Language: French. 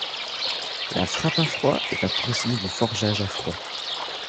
La frappe à froid est un procédé de forgeage à froid.